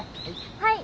はい。